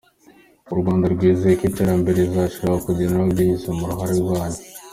U Rwanda rwizeye ko iterambere rizarushaho kugerwaho binyuze mu ruhare rwanyu.